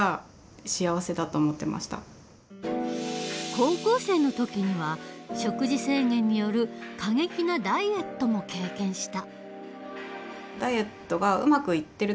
高校生の時には食事制限による過激なダイエットも経験した。